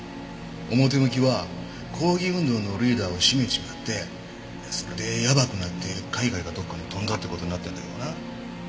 表向きは抗議運動のリーダーを締めちまってそれでやばくなって海外かどこかに飛んだって事になってるんだけどな。